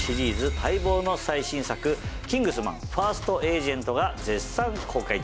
待望の最新作『キングスマン：ファースト・エージェント』が絶賛公開中。